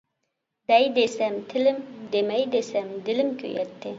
دەي دېسەم تىلىم، دېمەي دېسەم دىلىم كۆيەتتى.